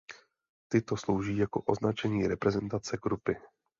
Tyto slouží jako označení reprezentace grupy.